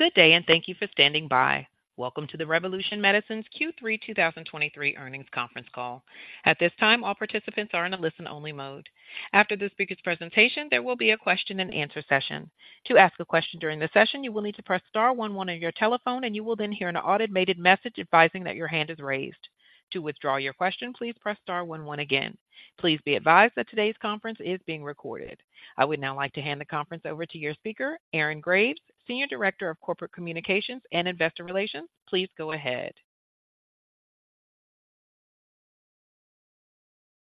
Good day, and thank you for standing by. Welcome to the Revolution Medicines's Q3 2023 Earnings Conference Call. At this time, all participants are in a listen-only mode. After the speaker's presentation, there will be a question-and-answer session. To ask a question during the session, you will need to press star one one on your telephone, and you will then hear an automated message advising that your hand is raised. To withdraw your question, please press star one one again. Please be advised that today's conference is being recorded. I would now like to hand the conference over to your speaker, Erin Graves, Senior Director of Corporate Communications and Investor Relations. Please go ahead.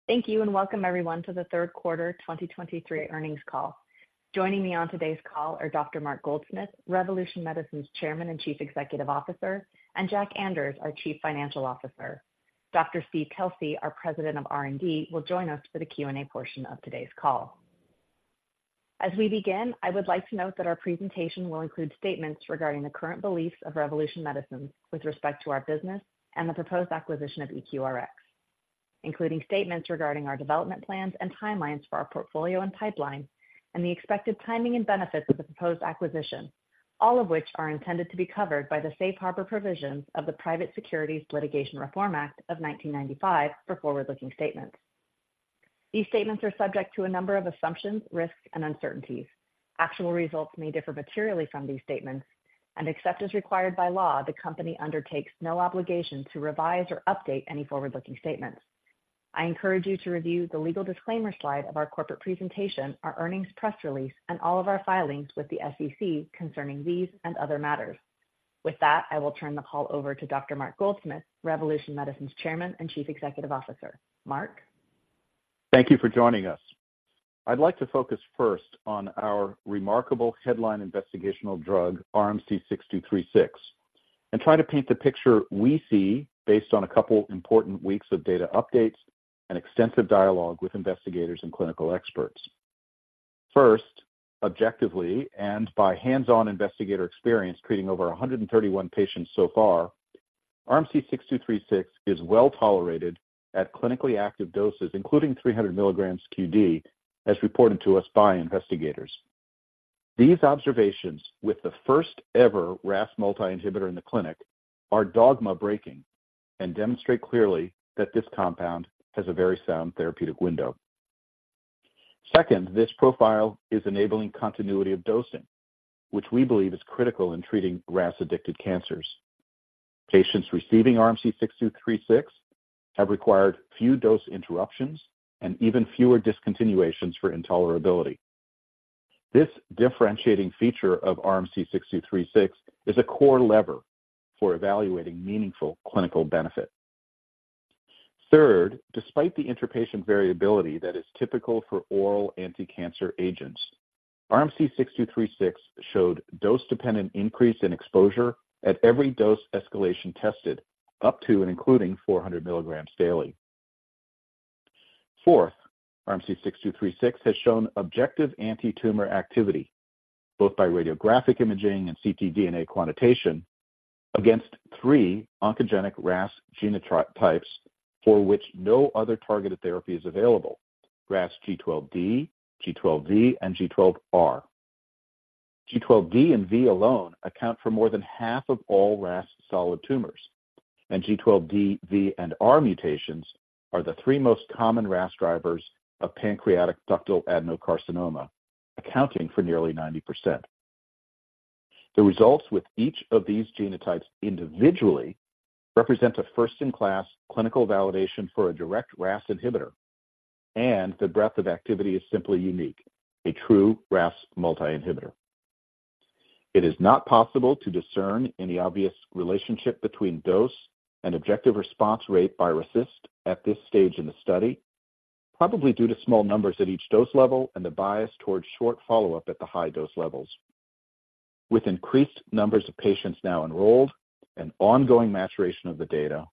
Thank you, and welcome everyone to the Third Quarter 2023 Earnings Call. Joining me on today's call are Dr. Mark Goldsmith, Revolution Medicines's Chairman and Chief Executive Officer, and Jack Anders, our Chief Financial Officer. Dr. Steve Kelsey, our President of R&D, will join us for the Q&A portion of today's call. As we begin, I would like to note that our presentation will include statements regarding the current beliefs of Revolution Medicines with respect to our business and the proposed acquisition of EQRx, including statements regarding our development plans and timelines for our portfolio and pipeline, and the expected timing and benefits of the proposed acquisition, all of which are intended to be covered by the safe harbor provisions of the Private Securities Litigation Reform Act of 1995 for forward-looking statements. These statements are subject to a number of assumptions, risks, and uncertainties. Actual results may differ materially from these statements, and except as required by law, the Company undertakes no obligation to revise or update any forward-looking statements. I encourage you to review the legal disclaimer slide of our corporate presentation, our earnings press release, and all of our filings with the SEC concerning these and other matters. With that, I will turn the call over to Dr. Mark Goldsmith, Revolution Medicines's Chairman and Chief Executive Officer. Mark? Thank you for joining us. I'd like to focus first on our remarkable headline investigational drug, RMC-6236, and try to paint the picture we see based on a couple important weeks of data updates and extensive dialogue with investigators and clinical experts. First, objectively and by hands-on investigator experience, treating over 131 patients so far, RMC-6236 is well-tolerated at clinically active doses, including 300 milligrams QD, as reported to us by investigators. These observations with the first-ever RAS multi inhibitor in the clinic are dogma-breaking and demonstrate clearly that this compound has a very sound therapeutic window. Second, this profile is enabling continuity of dosing, which we believe is critical in treating RAS-addicted cancers. Patients receiving RMC-6236 have required few dose interruptions and even fewer discontinuations for intolerability. This differentiating feature of RMC-6236 is a core lever for evaluating meaningful clinical benefit. Third, despite the interpatient variability that is typical for oral anticancer agents, RMC-6236 showed dose-dependent increase in exposure at every dose escalation tested, up to and including 400 milligrams daily. Fourth, RMC-6236 has shown objective antitumor activity, both by radiographic imaging and ctDNA quantitation, against three oncogenic RAS genotypes for which no other targeted therapy is available: RAS G12D, G12V, and G12R. G12D and V alone account for more than half of all RAS solid tumors, and G12D, V, and R mutations are the three most common RAS drivers of pancreatic ductal adenocarcinoma, accounting for nearly 90%. The results with each of these genotypes individually represent a first-in-class clinical validation for a direct RAS inhibitor, and the breadth of activity is simply unique, a true RAS multi inhibitor. It is not possible to discern any obvious relationship between dose and objective response rate by RECIST at this stage in the study, probably due to small numbers at each dose level and the bias towards short follow-up at the high dose levels. With increased numbers of patients now enrolled and ongoing maturation of the data,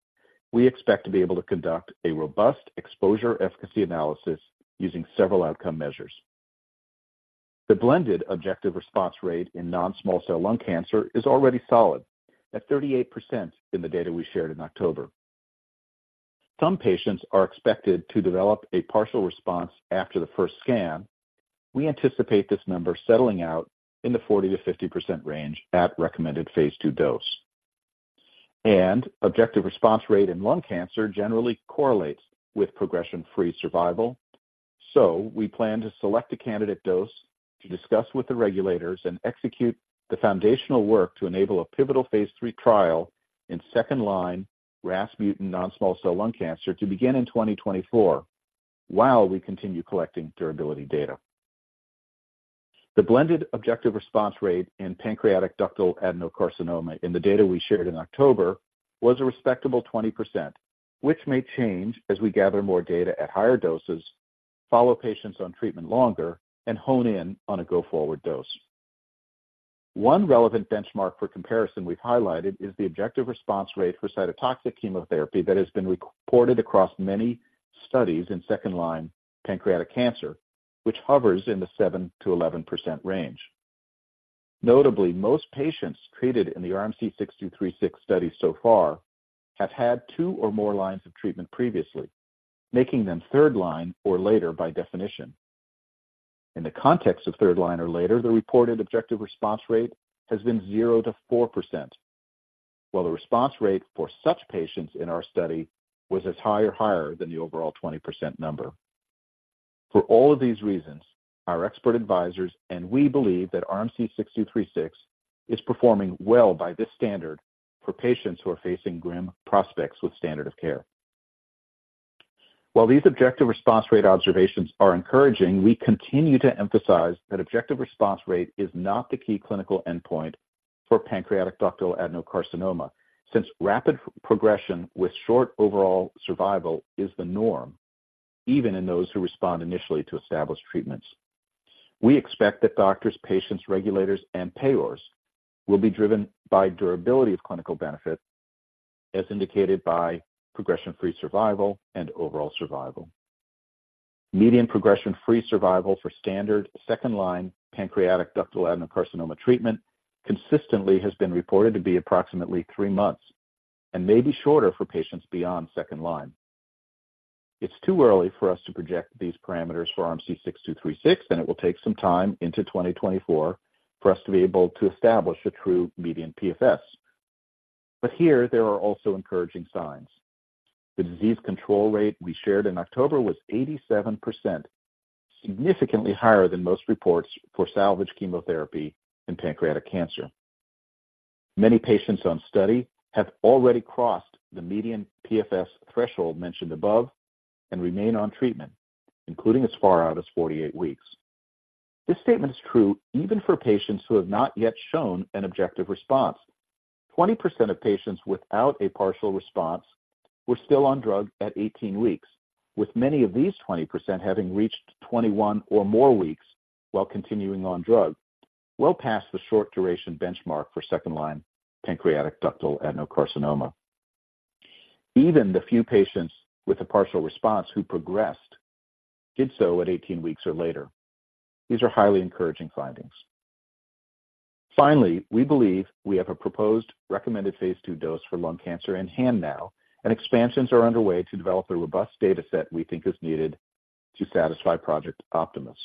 we expect to be able to conduct a robust exposure-efficacy analysis using several outcome measures. The blended objective response rate in non-small cell lung cancer is already solid, at 38% in the data we shared in October. Some patients are expected to develop a partial response after the first scan. We anticipate this number settling out in the 40%-50% range at recommended phase II dose. Objective response rate in lung cancer generally correlates with progression-free survival. We plan to select a candidate dose to discuss with the regulators and execute the foundational work to enable a pivotal phase III trial in second-line RAS mutant non-small cell lung cancer to begin in 2024, while we continue collecting durability data. The blended objective response rate in pancreatic ductal adenocarcinoma in the data we shared in October was a respectable 20%, which may change as we gather more data at higher doses, follow patients on treatment longer, and hone in on a go-forward dose. One relevant benchmark for comparison we've highlighted is the objective response rate for cytotoxic chemotherapy that has been reported across many studies in second-line pancreatic cancer, which hovers in the 7%-11% range. Notably, most patients treated in the RMC-6236 study so far have had two or more lines of treatment previously... making them third line or later by definition. In the context of third line or later, the reported objective response rate has been 0%-4%, while the response rate for such patients in our study was as high or higher than the overall 20% number. For all of these reasons, our expert advisors and we believe that RMC-6236 is performing well by this standard for patients who are facing grim prospects with standard of care. While these objective response rate observations are encouraging, we continue to emphasize that objective response rate is not the key clinical endpoint for pancreatic ductal adenocarcinoma, since rapid progression with short overall survival is the norm, even in those who respond initially to established treatments. We expect that doctors, patients, regulators, and payers will be driven by durability of clinical benefit, as indicated by progression-free survival and overall survival. Median progression-free survival for standard second-line pancreatic ductal adenocarcinoma treatment consistently has been reported to be approximately three months and may be shorter for patients beyond second line. It's too early for us to project these parameters for RMC-6236, and it will take some time into 2024 for us to be able to establish a true median PFS. But here, there are also encouraging signs. The disease control rate we shared in October was 87%, significantly higher than most reports for salvage chemotherapy in pancreatic cancer. Many patients on study have already crossed the median PFS threshold mentioned above and remain on treatment, including as far out as 48 weeks. This statement is true even for patients who have not yet shown an objective response. 20% of patients without a partial response were still on drug at 18 weeks, with many of these 20% having reached 21 or more weeks while continuing on drug, well past the short duration benchmark for second-line pancreatic ductal adenocarcinoma. Even the few patients with a partial response who progressed did so at 18 weeks or later. These are highly encouraging findings. Finally, we believe we have a proposed recommended phase 2 dose for lung cancer in hand now, and expansions are underway to develop a robust data set we think is needed to satisfy Project Optimus.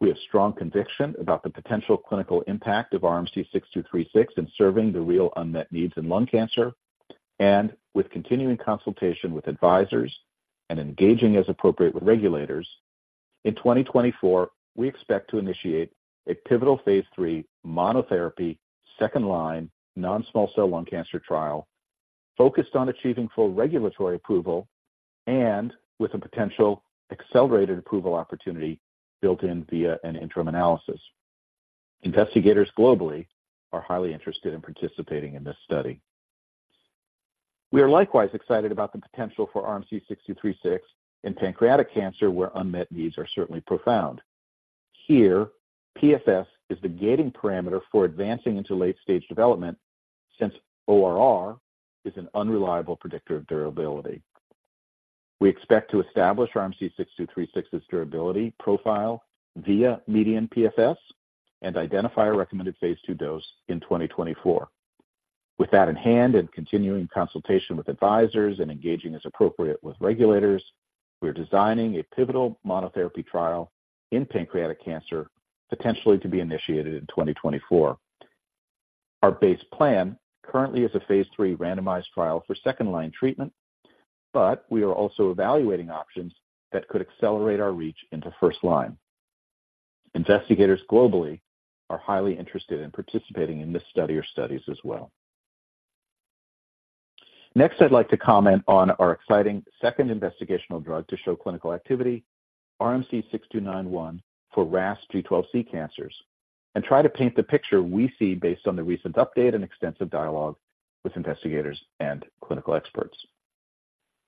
We have strong conviction about the potential clinical impact of RMC-6236 in serving the real unmet needs in lung cancer and with continuing consultation with advisors and engaging as appropriate with regulators. In 2024, we expect to initiate a pivotal phase 3 monotherapy, second-line, non-small cell lung cancer trial focused on achieving full regulatory approval and with a potential accelerated approval opportunity built in via an interim analysis. Investigators globally are highly interested in participating in this study. We are likewise excited about the potential for RMC-6236 in pancreatic cancer, where unmet needs are certainly profound. Here, PFS is the gating parameter for advancing into late-stage development, since ORR is an unreliable predictor of durability. We expect to establish RMC-6236's durability profile via median PFS and identify a recommended phase 2 dose in 2024. With that in hand, and continuing consultation with advisors and engaging as appropriate with regulators, we are designing a pivotal monotherapy trial in pancreatic cancer, potentially to be initiated in 2024. Our base plan currently is a phase 3 randomized trial for second-line treatment, but we are also evaluating options that could accelerate our reach into first line. Investigators globally are highly interested in participating in this study or studies as well. Next, I'd like to comment on our exciting second investigational drug to show clinical activity, RMC-6291, for RAS G12C cancers, and try to paint the picture we see based on the recent update and extensive dialogue with investigators and clinical experts.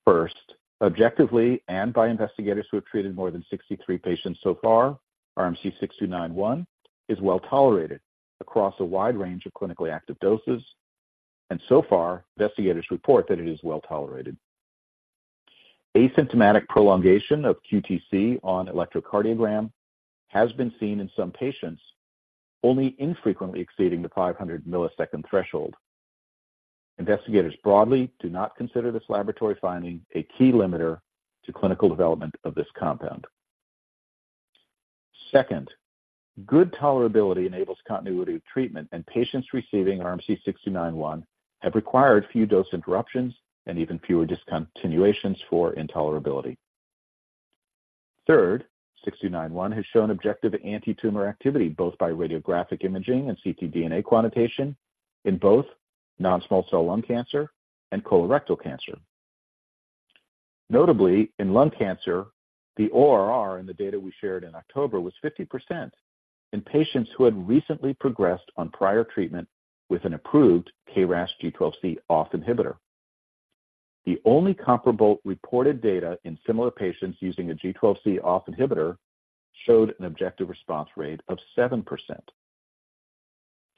First, objectively, and by investigators who have treated more than 63 patients so far, RMC-6291 is well-tolerated across a wide range of clinically active doses, and so far, investigators report that it is well-tolerated. Asymptomatic prolongation of QTc on electrocardiogram has been seen in some patients, only infrequently exceeding the 500 millisecond threshold. Investigators broadly do not consider this laboratory finding a key limiter to clinical development of this compound. Second, good tolerability enables continuity of treatment, and patients receiving RMC-6291 have required few dose interruptions and even fewer discontinuations for intolerability. Third, RMC-6291 has shown objective antitumor activity, both by radiographic imaging and ctDNA quantitation in both Non-Small Cell Lung Cancer and colorectal cancer. Notably, in lung cancer, the ORR in the data we shared in October was 50% in patients who had recently progressed on prior treatment with an approved KRAS G12C ON inhibitor. The only comparable reported data in similar patients using a G12C ON inhibitor showed an objective response rate of 7%.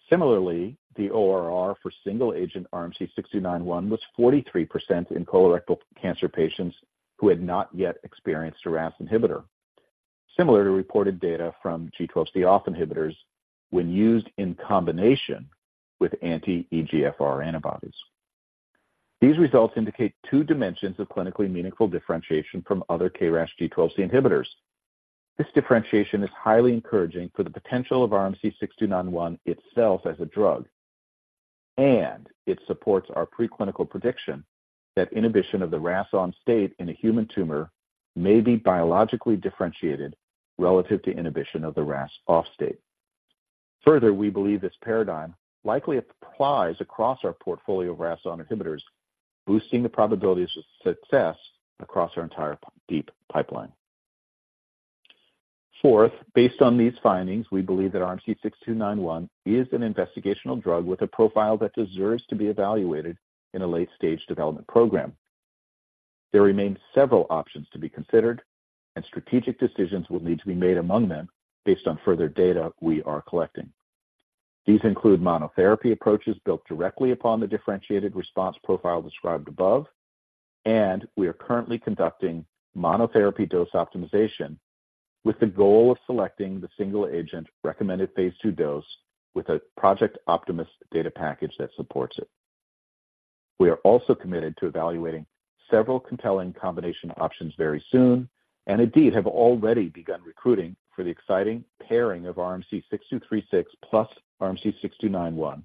Similarly, the ORR for single-agent RMC-6291 was 43% in colorectal cancer patients who had not yet experienced a RAS inhibitor, similar to reported data from G12C ON inhibitors when used in combination with anti-EGFR antibodies. These results indicate two dimensions of clinically meaningful differentiation from other KRAS G12C inhibitors. This differentiation is highly encouraging for the potential of RMC-6291 itself as a drug, and it supports our preclinical prediction that inhibition of the RAS(ON) state in a human tumor may be biologically differentiated relative to inhibition of the RAS(OFF) state. Further, we believe this paradigm likely applies across our portfolio of RAS(ON) inhibitors, boosting the probabilities of success across our entire deep pipeline. Fourth, based on these findings, we believe that RMC-6291 is an investigational drug with a profile that deserves to be evaluated in a late-stage development program. There remain several options to be considered, and strategic decisions will need to be made among them based on further data we are collecting. These include monotherapy approaches built directly upon the differentiated response profile described above, and we are currently conducting monotherapy dose optimization with the goal of selecting the single agent recommended phase 2 dose with a Project Optimus data package that supports it. We are also committed to evaluating several compelling combination options very soon, and indeed, have already begun recruiting for the exciting pairing of RMC-6236 plus RMC-6291,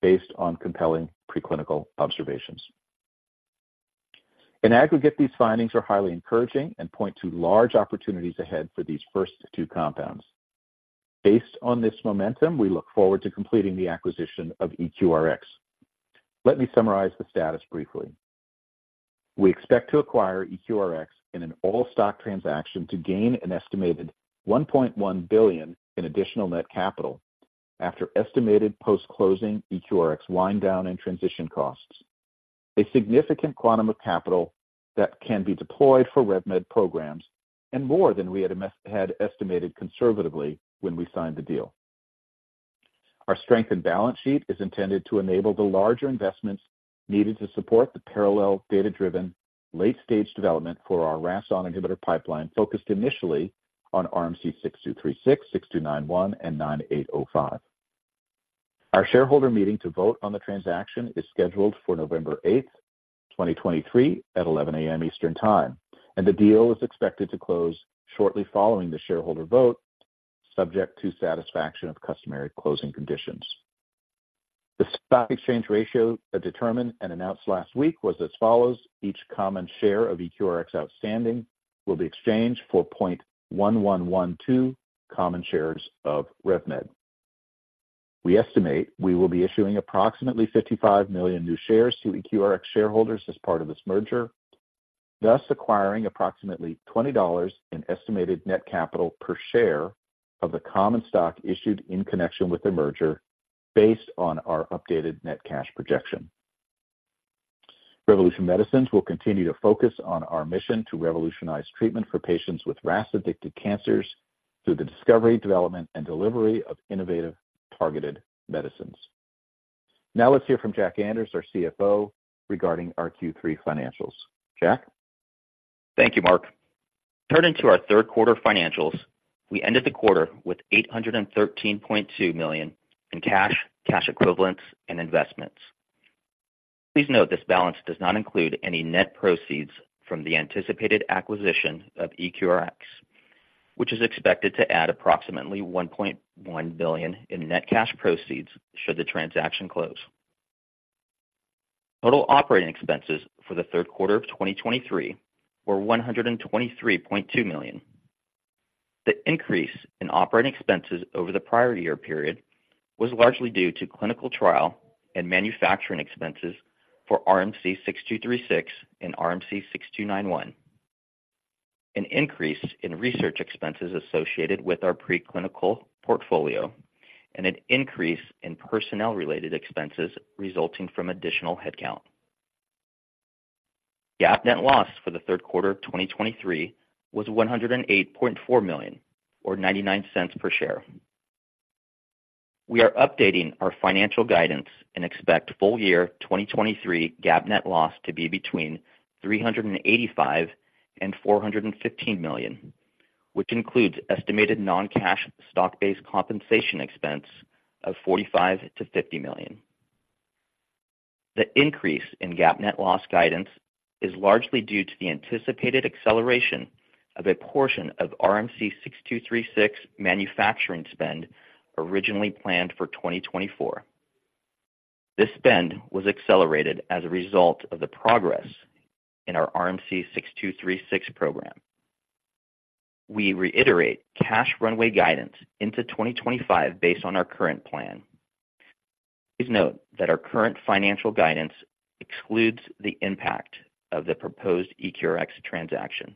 based on compelling preclinical observations. In aggregate, these findings are highly encouraging and point to large opportunities ahead for these first two compounds. Based on this momentum, we look forward to completing the acquisition of EQRx. Let me summarize the status briefly. We expect to acquire EQRx in an all-stock transaction to gain an estimated $1.1 billion in additional net capital after estimated post-closing EQRx wind down and transition costs, a significant quantum of capital that can be deployed for RevMed programs and more than we had estimated conservatively when we signed the deal. Our strength and balance sheet is intended to enable the larger investments needed to support the parallel data-driven, late-stage development for our RAS(ON) inhibitor pipeline, focused initially on RMC-6236, RMC-6291, and RMC-9805. Our shareholder meeting to vote on the transaction is scheduled for November eighth, 2023, at 11 A.M. Eastern Time, and the deal is expected to close shortly following the shareholder vote, subject to satisfaction of customary closing conditions. The stock exchange ratio, determined and announced last week was as follows: Each common share of EQRx outstanding will be exchanged for 0.1112 common shares of RevMed. We estimate we will be issuing approximately 55 million new shares to EQRx shareholders as part of this merger, thus acquiring approximately $20 in estimated net capital per share of the common stock issued in connection with the merger, based on our updated net cash projection. Revolution Medicines will continue to focus on our mission to revolutionize treatment for patients with RAS-addicted cancers through the discovery, development, and delivery of innovative targeted medicines. Now, let's hear from Jack Anders, our CFO, regarding our Q3 financials. Jack? Thank you, Mark. Turning to our third quarter financials, we ended the quarter with $813.2 million in cash, cash equivalents, and investments. Please note this balance does not include any net proceeds from the anticipated acquisition of EQRx, which is expected to add approximately $1.1 billion in net cash proceeds should the transaction close. Total operating expenses for the third quarter of 2023 were $123.2 million. The increase in operating expenses over the prior year period was largely due to clinical trial and manufacturing expenses for RMC-6236 and RMC-6291, an increase in research expenses associated with our preclinical portfolio, and an increase in personnel-related expenses resulting from additional headcount. GAAP net loss for the third quarter of 2023 was $108.4 million, or $0.99 per share. We are updating our financial guidance and expect full year 2023 GAAP net loss to be between $385 million and $415 million, which includes estimated non-cash stock-based compensation expense of $45 million-$50 million. The increase in GAAP net loss guidance is largely due to the anticipated acceleration of a portion of RMC-6236 manufacturing spend, originally planned for 2024. This spend was accelerated as a result of the progress in our RMC-6236 program. We reiterate cash runway guidance into 2025 based on our current plan. Please note that our current financial guidance excludes the impact of the proposed EQRx transaction.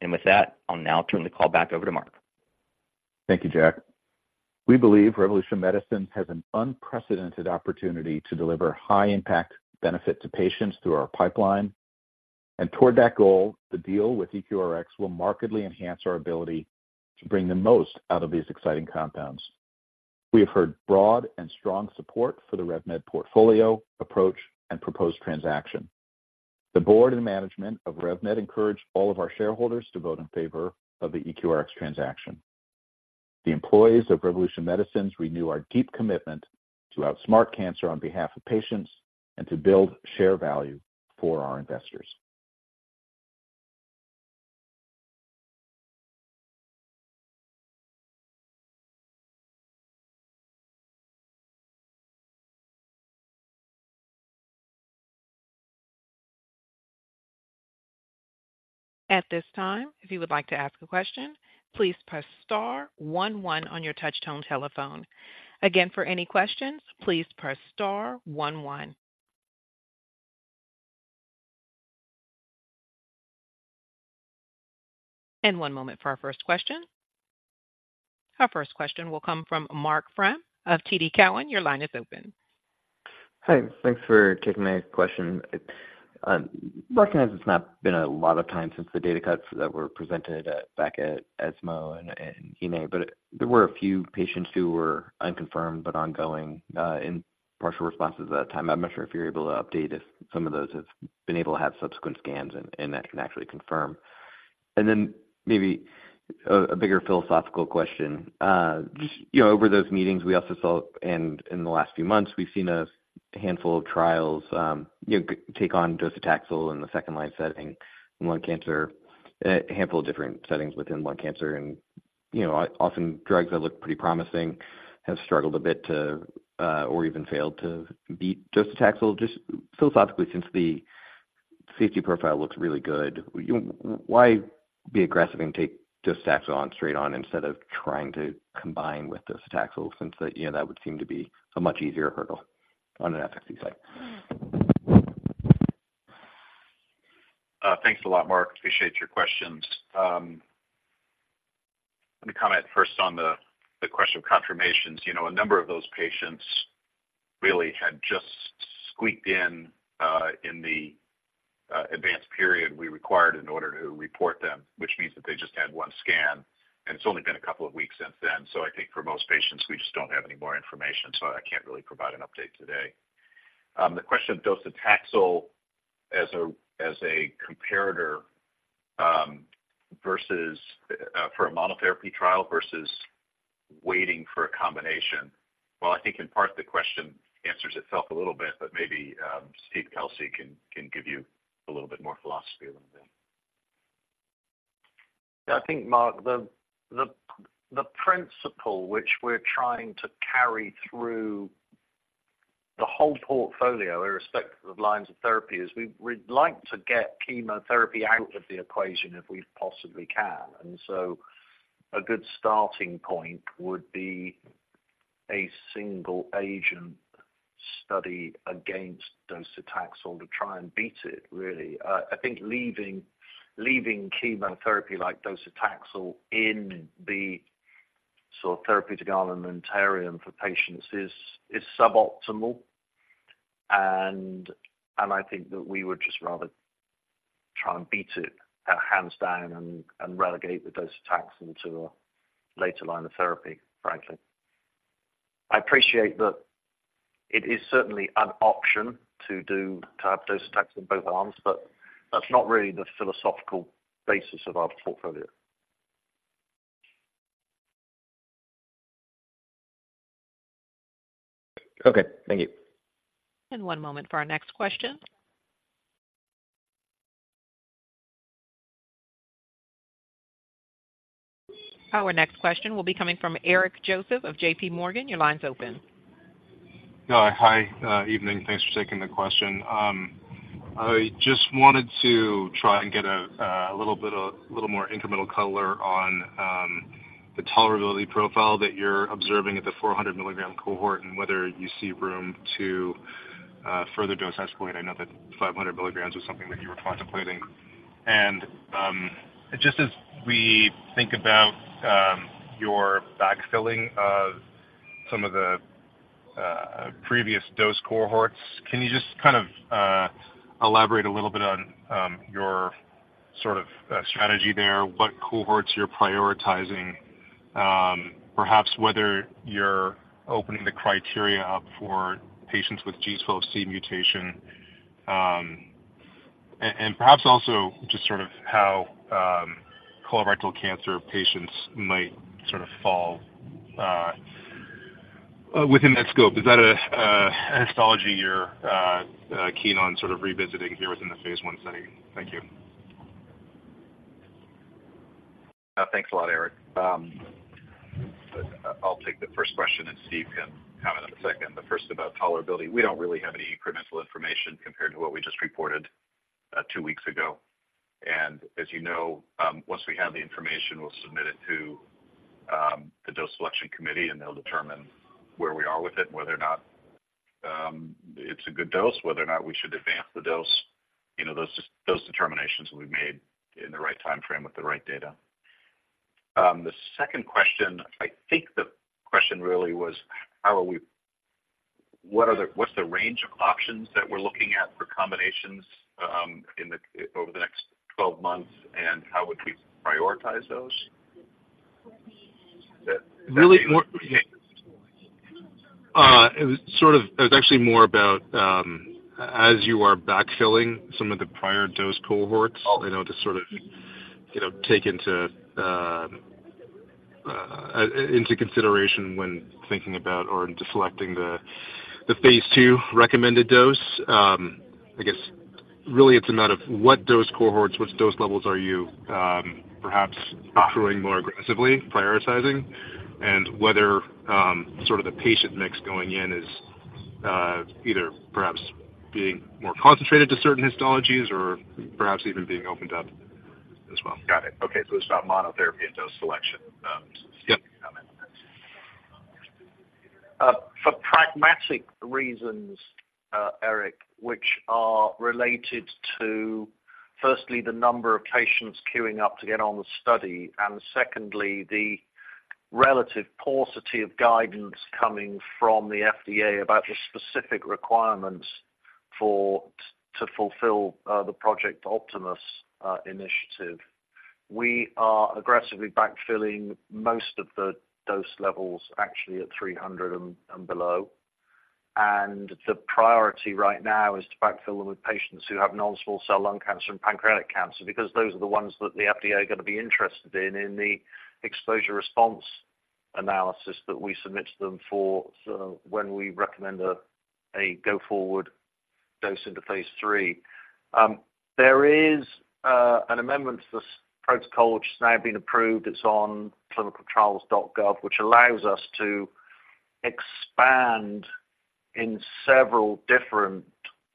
And with that, I'll now turn the call back over to Mark. Thank you, Jack. We believe Revolution Medicines has an unprecedented opportunity to deliver high impact benefit to patients through our pipeline. Toward that goal, the deal with EQRx will markedly enhance our ability to bring the most out of these exciting compounds. ...We have heard broad and strong support for the RevMed portfolio, approach, and proposed transaction. The board and management of RevMed encourage all of our shareholders to vote in favor of the EQRX transaction. The employees of Revolution Medicines renew our deep commitment to outsmart cancer on behalf of patients and to build share value for our investors. At this time, if you would like to ask a question, please press star one one on your touchtone telephone. Again, for any questions, please press star one one. One moment for our first question. Our first question will come from Marc Frahm of TD Cowen. Your line is open. Hi, thanks for taking my question. I recognize it's not been a lot of time since the data cuts that were presented back at ESMO and ENA, but there were a few patients who were unconfirmed but ongoing in partial responses at that time. I'm not sure if you're able to update if some of those have been able to have subsequent scans and that can actually confirm. And then maybe a bigger philosophical question. Just, you know, over those meetings, we also saw, and in the last few months, we've seen a handful of trials, you know, take on Docetaxel in the second-line setting lung cancer, a handful of different settings within lung cancer. And, you know, often drugs that look pretty promising have struggled a bit to, or even failed to beat Docetaxel. Just philosophically, since the safety profile looks really good, you know, why be aggressive and take Docetaxel on straight on instead of trying to combine with Docetaxel, since that, you know, that would seem to be a much easier hurdle on an efficacy side? Thanks a lot, Marc. Appreciate your questions. Let me comment first on the question of confirmations. You know, a number of those patients really had just squeaked in in the advanced period we required in order to report them, which means that they just had one scan, and it's only been a couple of weeks since then. So I think for most patients, we just don't have any more information, so I can't really provide an update today. The question of Docetaxel as a comparator versus for a monotherapy trial versus waiting for a combination. Well, I think in part the question answers itself a little bit, but maybe Steve Kelsey can give you a little bit more philosophy around that. I think, Mark, the principle which we're trying to carry through the whole portfolio, irrespective of lines of therapy, is we'd like to get chemotherapy out of the equation if we possibly can. So a good starting point would be a single agent study against Docetaxel to try and beat it really. I think leaving chemotherapy like Docetaxel in the sort of therapeutic armamentarium for patients is suboptimal. I think that we would just rather try and beat it hands down and relegate the Docetaxel to a later line of therapy, frankly. I appreciate that it is certainly an option to do, to have Docetaxel in both arms, but that's not really the philosophical basis of our portfolio. Okay, thank you. One moment for our next question. Our next question will be coming from Eric Joseph of JPMorgan. Your line's open. Hi, evening. Thanks for taking the question. I just wanted to try and get a little bit more incremental color on the tolerability profile that you're observing at the 400 milligram cohort and whether you see room to further dose escalate. I know that 500 milligrams was something that you were contemplating. Just as we think about your backfilling of some of the previous dose cohorts, can you just kind of elaborate a little bit on your sort of strategy there, what cohorts you're prioritizing, perhaps whether you're opening the criteria up for patients with G12C mutation, and perhaps also just sort of how colorectal cancer patients might sort of fall within that scope. Is that a histology you're keen on sort of revisiting here within the phase 1 setting? Thank you. Thanks a lot, Eric. I'll take the first question, and Steve can comment on the second. The first about tolerability. We don't really have any incremental information compared to what we just reported two weeks ago. And as you know, once we have the information, we'll submit it to the dose selection committee, and they'll determine where we are with it, whether or not it's a good dose, whether or not we should advance the dose. You know, those determinations will be made in the right timeframe with the right data. The second question, I think the question really was what's the range of options that we're looking at for combinations over the next 12 months, and how would we prioritize those? Really, more sort of, it's actually more about, as you are backfilling some of the prior dose cohorts, you know, to sort of, you know, take into, into consideration when thinking about or selecting the, the phase II recommended dose. I guess really it's a matter of what dose cohorts, which dose levels are you, perhaps accruing more aggressively, prioritizing? And whether, sort of the patient mix going in is, either perhaps being more concentrated to certain histologies or perhaps even being opened up as well. Got it. Okay, so it's about monotherapy and dose selection. Yep. Comment. For pragmatic reasons, Eric, which are related to, firstly, the number of patients queuing up to get on the study, and secondly, the relative paucity of guidance coming from the FDA about the specific requirements to fulfill the Project Optimus initiative. We are aggressively backfilling most of the dose levels actually at 300 and below. The priority right now is to backfill them with patients who have non-small cell lung cancer and pancreatic cancer, because those are the ones that the FDA are going to be interested in in the exposure-response analysis that we submit to them for, so when we recommend a go-forward dose into phase III. There is an amendment to this protocol which has now been approved. It's on clinicaltrials.gov, which allows us to expand in several different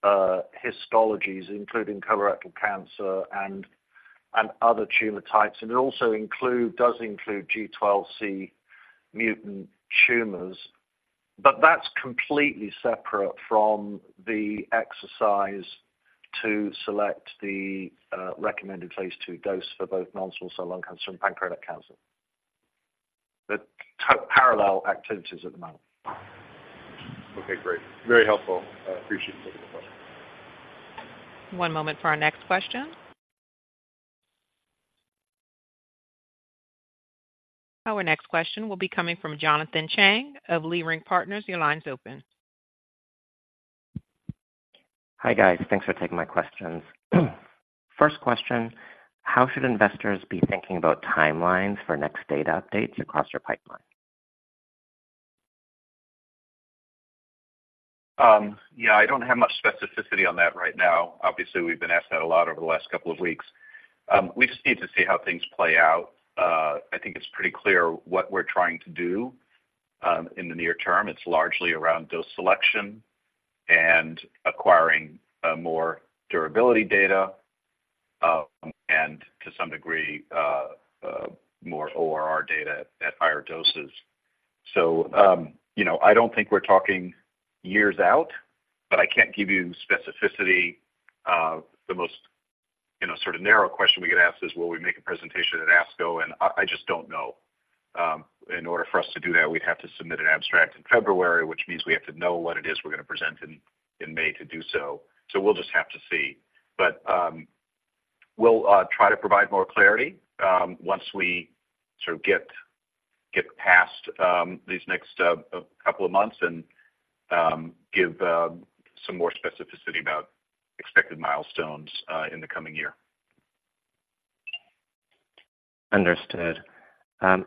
histologies, including colorectal cancer and other tumor types. And it also include, does include G12C mutant tumors. But that's completely separate from the exercise to select the recommended phase II dose for both non-small cell lung cancer and pancreatic cancer. The parallel activities at the moment. Okay, great. Very helpful. I appreciate taking the question. One moment for our next question. Our next question will be coming from Jonathan Chang of Leerink Partners. Your line's open. Hi, guys. Thanks for taking my questions. First question, how should investors be thinking about timelines for next data updates across your pipeline? Yeah, I don't have much specificity on that right now. Obviously, we've been asked that a lot over the last couple of weeks. We just need to see how things play out. I think it's pretty clear what we're trying to do in the near term. It's largely around dose selection and acquiring more durability data and to some degree more ORR data at higher doses. So, you know, I don't think we're talking years out, but I can't give you specificity. The most, you know, sort of narrow question we get asked is, will we make a presentation at ASCO? I just don't know. In order for us to do that, we'd have to submit an abstract in February, which means we have to know what it is we're going to present in May to do so. So we'll just have to see. But we'll try to provide more clarity once we sort of get past these next couple of months and give some more specificity about expected milestones in the coming year. Understood. And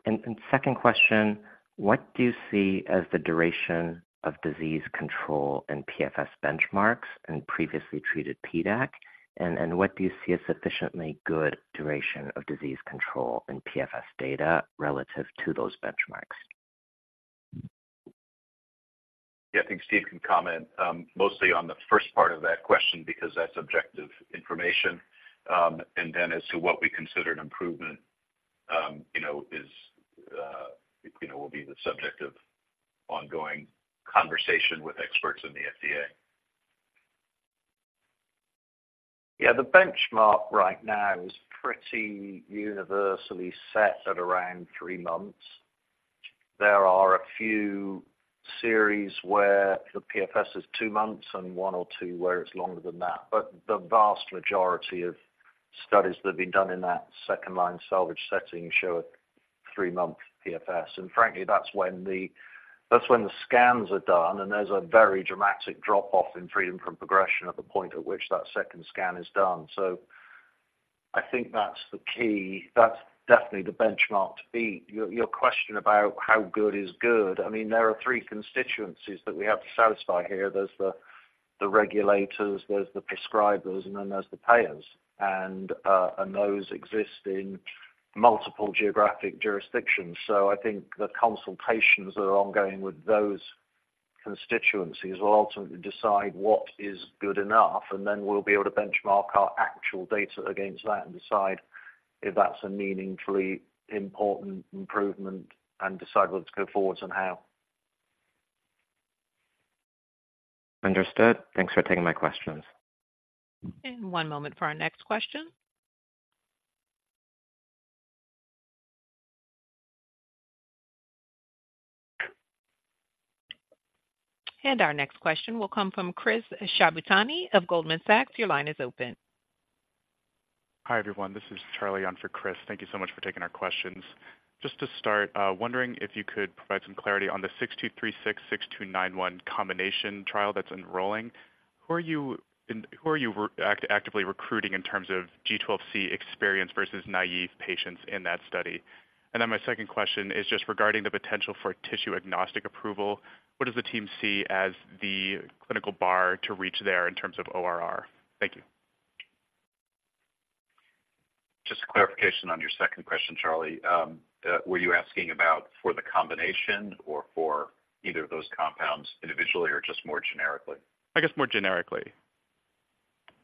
second question: What do you see as the duration of disease control and PFS benchmarks in previously treated PDAC? And what do you see as sufficiently good duration of disease control and PFS data relative to those benchmarks? Yeah, I think Steve can comment mostly on the first part of that question because that's objective information. And then as to what we consider an improvement, you know, will be the subject of ongoing conversation with experts in the FDA. Yeah, the benchmark right now is pretty universally set at around three months. There are a few series where the PFS is two months and one or two, where it's longer than that. But the vast majority of studies that have been done in that second-line salvage setting show a three-month PFS. Frankly, that's when the, that's when the scans are done, and there's a very dramatic drop-off in freedom from progression at the point at which that second scan is done. I think that's the key. That's definitely the benchmark to beat. Your, your question about how good is good, I mean, there are three constituencies that we have to satisfy here. There's the, the regulators, there's the prescribers, and then there's the payers, and those exist in multiple geographic jurisdictions. I think the consultations that are ongoing with those constituencies will ultimately decide what is good enough, and then we'll be able to benchmark our actual data against that and decide if that's a meaningfully important improvement and decide whether to go forward and how. Understood. Thanks for taking my questions. One moment for our next question. And our next question will come from Chris Shibutani of Goldman Sachs. Your line is open. Hi, everyone. This is Charlie on for Chris. Thank you so much for taking our questions. Just to start, wondering if you could provide some clarity on the 6236, 6291 combination trial that's enrolling. Who are you actively recruiting in terms of G12C experience versus naive patients in that study? And then my second question is just regarding the potential for tissue-agnostic approval. What does the team see as the clinical bar to reach there in terms of ORR? Thank you. Just a clarification on your second question, Charlie. Were you asking about for the combination or for either of those compounds individually or just more generically? I guess more generically.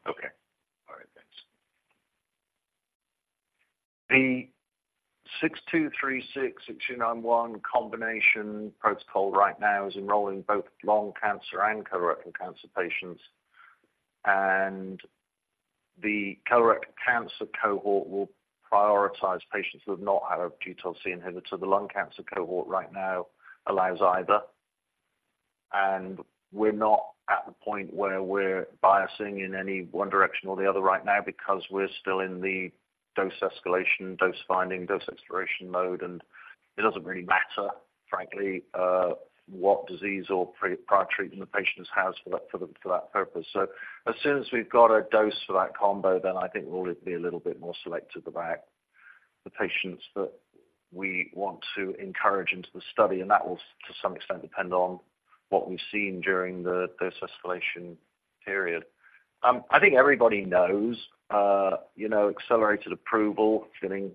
Okay. All right, thanks. The 6236, 6291 combination protocol right now is enrolling both lung cancer and colorectal cancer patients. The colorectal cancer cohort will prioritize patients who have not had a G12C inhibitor. The lung cancer cohort right now allows either. We're not at the point where we're biasing in any one direction or the other right now because we're still in the dose escalation, dose finding, dose exploration mode, and it doesn't really matter, frankly, what disease or prior treatment the patient has for that, for that, for that purpose. As soon as we've got a dose for that combo, then I think we'll be a little bit more selective about the patients that we want to encourage into the study, and that will, to some extent, depend on what we've seen during the dose escalation period. I think everybody knows, you know, accelerated approval is getting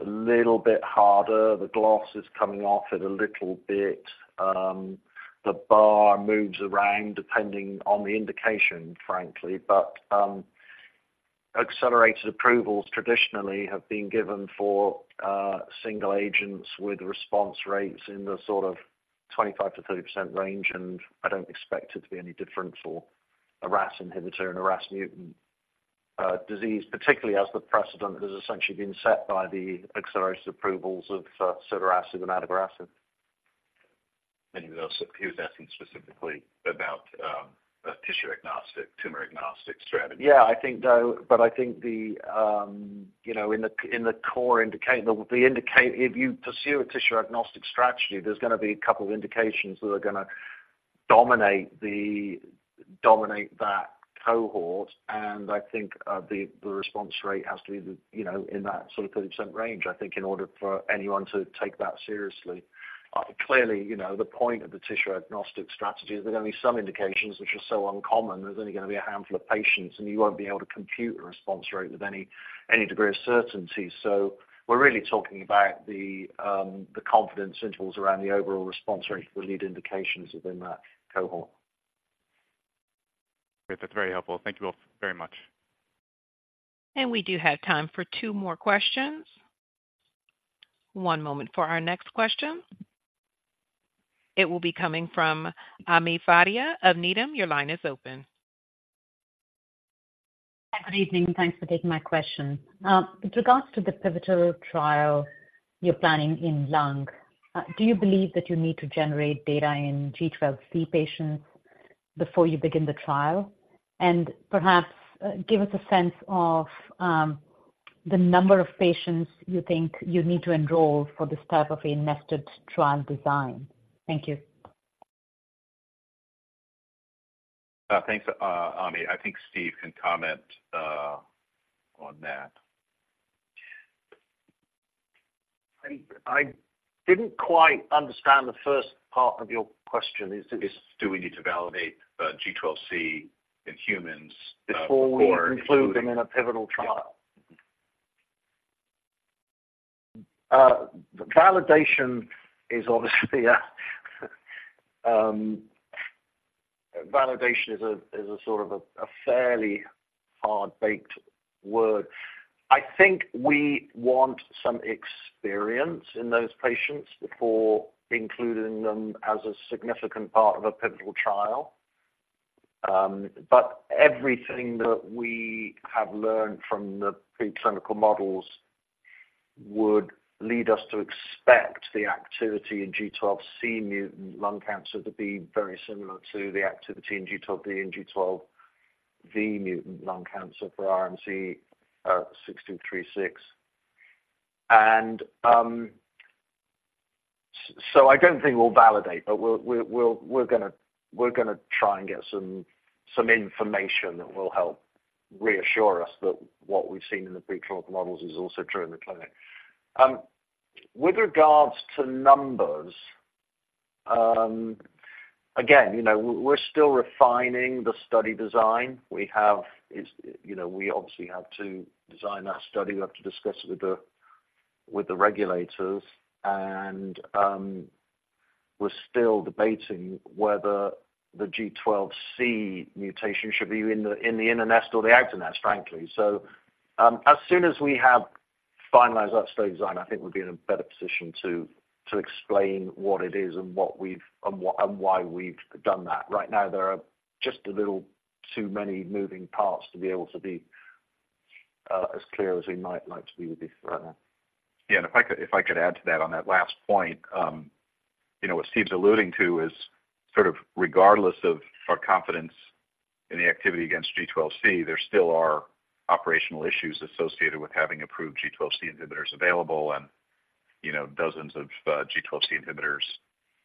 a little bit harder. The gloss is coming off it a little bit. The bar moves around depending on the indication, frankly. But, accelerated approvals traditionally have been given for, single agents with response rates in the sort of 25%-30% range, and I don't expect it to be any different for a RAS inhibitor and a RAS mutant, disease, particularly as the precedent has essentially been set by the accelerated approvals of, Sotorasib and Adagrasib. He was, he was asking specifically about a tissue-agnostic, tumor-agnostic strategy. Yeah, I think, though, but I think you know, in the core indications if you pursue a tissue-agnostic strategy, there's gonna be a couple of indications that are gonna dominate that cohort. And I think the response rate has to be, you know, in that sort of 30% range, I think, in order for anyone to take that seriously. Clearly, you know, the point of the tissue-agnostic strategy is there's gonna be some indications which are so uncommon, there's only gonna be a handful of patients, and you won't be able to compute a response rate with any degree of certainty. So we're really talking about the confidence intervals around the overall response rate for lead indications within that cohort. Great. That's very helpful. Thank you both very much. We do have time for two more questions. One moment for our next question. It will be coming from Ami Fadia of Needham. Your line is open. Good evening, and thanks for taking my question. With regards to the pivotal trial you're planning in lung, do you believe that you need to generate data in G12C patients before you begin the trial? And perhaps, give us a sense of the number of patients you think you need to enroll for this type of a nested trial design. Thank you. Thanks, Ami. I think Steve can comment on that. I didn't quite understand the first part of your question. Is it- Do we need to validate G12C in humans before- Before we include them in a pivotal trial? Yeah. Validation is obviously a sort of a fairly hard-baked word. I think we want some experience in those patients before including them as a significant part of a pivotal trial. But everything that we have learned from the preclinical models would lead us to expect the activity in G12C mutant lung cancer to be very similar to the activity in G12D and G12V mutant lung cancer for RMC-6236. And so I don't think we'll validate, but we're gonna try and get some information that will help reassure us that what we've seen in the preclinical models is also true in the clinic. With regards to numbers, again, you know, we're still refining the study design. We have, it's, you know, we obviously have to design that study. We have to discuss it with the, with the regulators, and we're still debating whether the G12C mutation should be in the, in the inner nest or the outer nest, frankly. So, as soon as we have finalized that study design, I think we'll be in a better position to, to explain what it is and what we've, and why we've done that. Right now, there are just a little too many moving parts to be able to be-... as clear as we might like to be with you right now. Yeah, and if I could, if I could add to that on that last point, you know, what Steve's alluding to is sort of regardless of our confidence in the activity against G12C, there still are operational issues associated with having approved G12C inhibitors available and, you know, dozens of, G12C inhibitors,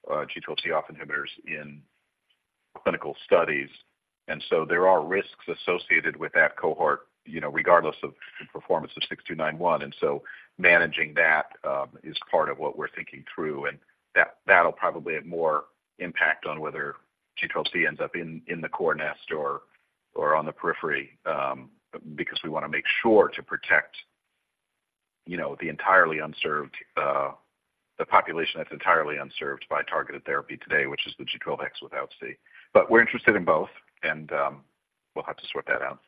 G12C off inhibitors in clinical studies. And so there are risks associated with that cohort, you know, regardless of the performance of 6291. And so managing that is part of what we're thinking through, and that, that'll probably have more impact on whether G12C ends up in, in the cornerstone or, or on the periphery, because we want to make sure to protect, you know, the entirely unserved, the population that's entirely unserved by targeted therapy today, which is the G12X without C. But we're interested in both, and we'll have to sort that out.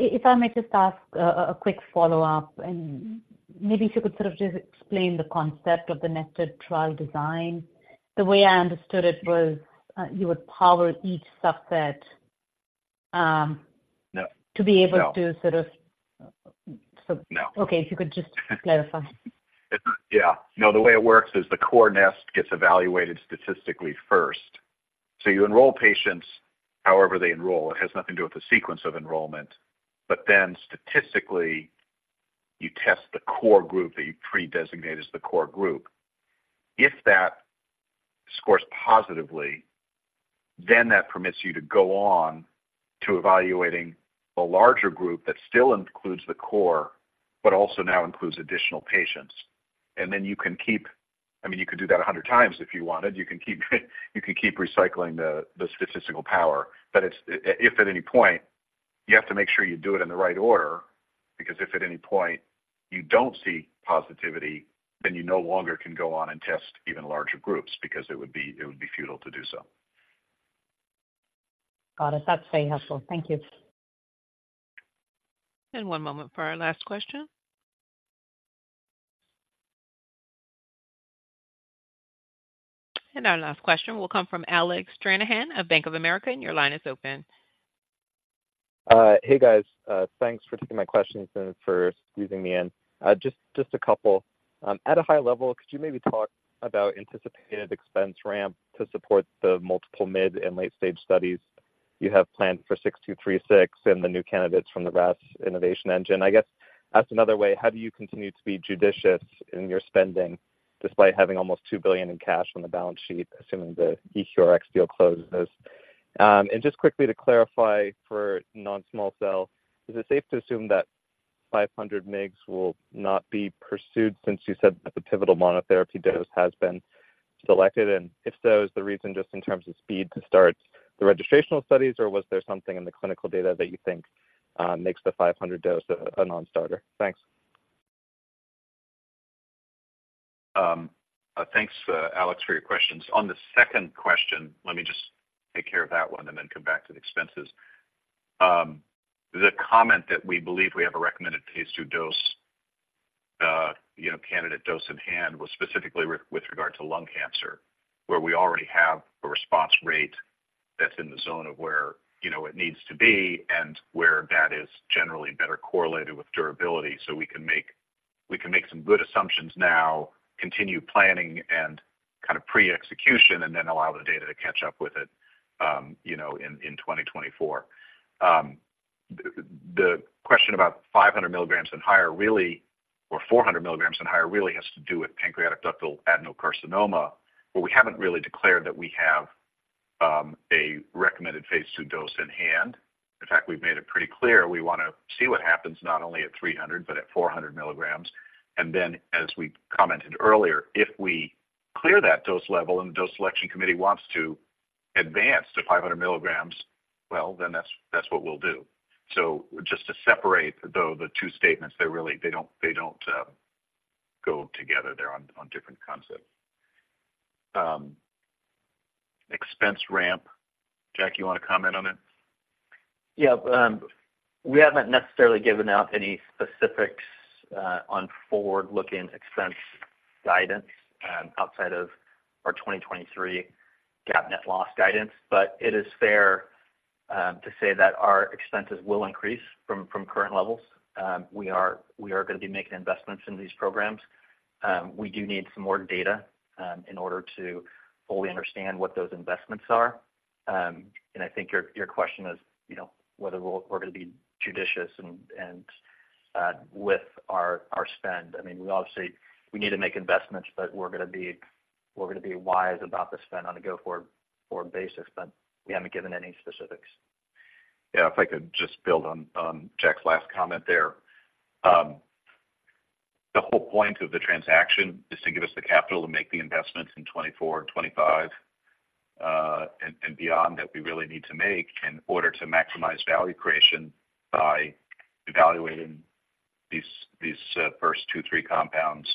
If I may just ask a quick follow-up, and maybe if you could sort of just explain the concept of the nested trial design. The way I understood it was, you would power each subset, No. To be able to- No. Sort of... No. Okay, if you could just clarify. Yeah. No, the way it works is the core nest gets evaluated statistically first. So you enroll patients however they enroll. It has nothing to do with the sequence of enrollment, but then statistically, you test the core group that you predesignated as the core group. If that scores positively, then that permits you to go on to evaluating the larger group that still includes the core, but also now includes additional patients. And then you can keep... I mean, you could do that 100x if you wanted. You can keep, you can keep recycling the statistical power, but it's if at any point you have to make sure you do it in the right order, because if at any point you don't see positivity, then you no longer can go on and test even larger groups because it would be, it would be futile to do so. Got it. That's very helpful. Thank you. One moment for our last question. Our last question will come from Alec Stranahan of Bank of America. Your line is open. Hey, guys. Thanks for taking my questions and for squeezing me in. Just a couple. At a high level, could you maybe talk about anticipated expense ramp to support the multiple mid and late-stage studies you have planned for 6236 and the new candidates from the RAS innovation engine? I guess, asked another way, how do you continue to be judicious in your spending, despite having almost $2 billion in cash on the balance sheet, assuming the EQRx deal closes? And just quickly to clarify for non-small cell, is it safe to assume that 500 mgs will not be pursued since you said that the pivotal monotherapy dose has been selected? If so, is the reason just in terms of speed to start the registrational studies, or was there something in the clinical data that you think makes the 500 dose a non-starter? Thanks. Thanks, Alec, for your questions. On the second question, let me just take care of that one and then come back to the expenses. The comment that we believe we have a recommended phase 2 dose, you know, candidate dose in hand, was specifically with regard to lung cancer, where we already have a response rate that's in the zone of where, you know, it needs to be and where that is generally better correlated with durability. So we can make some good assumptions now, continue planning and kind of pre-execution, and then allow the data to catch up with it, you know, in 2024. The question about 500 milligrams and higher really, or 400 milligrams and higher, really has to do with pancreatic ductal adenocarcinoma, where we haven't really declared that we have a recommended phase 2 dose in hand. In fact, we've made it pretty clear we want to see what happens not only at 300, but at 400 milligrams. And then, as we commented earlier, if we clear that dose level and the dose selection committee wants to advance to 500 milligrams, well, then that's what we'll do. So just to separate, though, the two statements, they're really. They don't go together. They're on different concepts. Expense ramp. Jack, you want to comment on it? Yeah, we haven't necessarily given out any specifics on forward-looking expense guidance outside of our 2023 GAAP net loss guidance. But it is fair to say that our expenses will increase from current levels. We are going to be making investments in these programs. We do need some more data in order to fully understand what those investments are. And I think your question is, you know, whether we're going to be judicious and with our spend. I mean, we obviously... we need to make investments, but we're gonna be wise about the spend on a go forward basis, but we haven't given any specifics. Yeah. If I could just build on Jack's last comment there. The whole point of the transaction is to give us the capital to make the investments in 2024 and 2025, and beyond that we really need to make in order to maximize value creation by evaluating these first two, three compounds,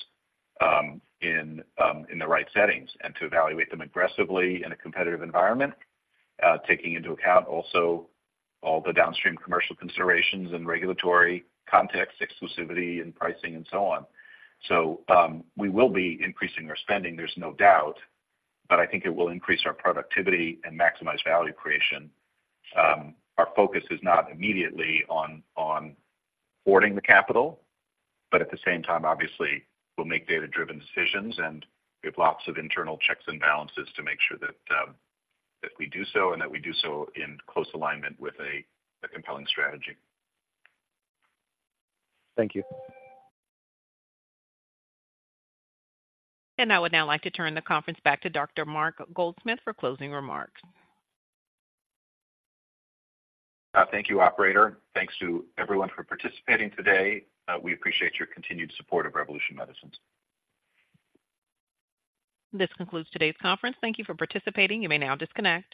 in the right settings, and to evaluate them aggressively in a competitive environment, taking into account also all the downstream commercial considerations and regulatory context, exclusivity and pricing and so on. So, we will be increasing our spending, there's no doubt, but I think it will increase our productivity and maximize value creation. Our focus is not immediately on hoarding the capital, but at the same time, obviously, we'll make data-driven decisions, and we have lots of internal checks and balances to make sure that we do so and that we do so in close alignment with a compelling strategy. Thank you. I would now like to turn the conference back to Dr. Mark Goldsmith for closing remarks. Thank you, operator. Thanks to everyone for participating today. We appreciate your continued support of Revolution Medicines. This concludes today's conference. Thank you for participating. You may now disconnect.